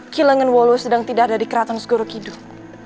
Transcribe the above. kilengan wulu sedang tidak ada di keraton segoro kidul